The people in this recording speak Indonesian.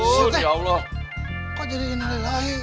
si teteh kok jadi nilai